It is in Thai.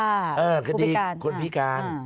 อ้าวคดีคนพิการ